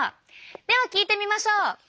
では聞いてみましょう。